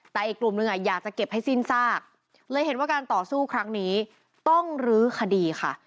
แต่อีกกลุ่มนึงอยากจะเก็บให้สิ้นซากเลยเห็นว่าการต่อสู้ครั้งนี้ต้องลื้อคดีค่ะ